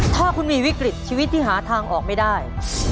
ถ้าคุณมีวิกฤตชีวิตที่หาทางออกไม่ได้